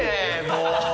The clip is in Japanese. もう！